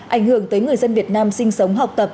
ảnh hưởng tới người dân việt nam sinh sống học tập